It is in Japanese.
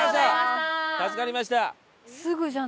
助かりました。